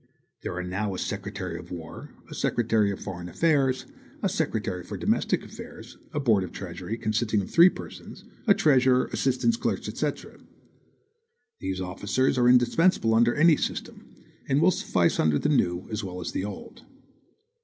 There are now a Secretary of War, a Secretary of Foreign Affairs, a Secretary for Domestic Affairs, a Board of Treasury, consisting of three persons, a Treasurer, assistants, clerks, etc. These officers are indispensable under any system, and will suffice under the new as well as the old.